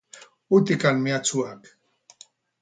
Utikan mehatxuak!